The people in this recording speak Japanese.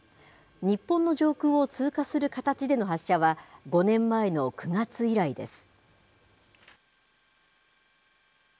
日本の上空を通過する形での発射は、５年前の９月以来です。